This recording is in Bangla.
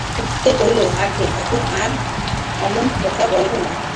পথিকদ্বয় কহিল, যে আজ্ঞে ঠাকুর, আর অমন কথা বলব না।